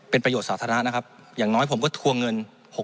เป็นประโยชน์สาธารณะนะครับอย่างน้อยผมก็ทวงเงิน